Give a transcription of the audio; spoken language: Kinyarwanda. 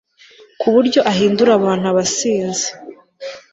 ku buryo ahindura abantu abasinzi